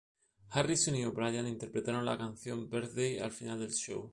Harrison y O'Brien interpretaron la canción "Birthday" al final del show.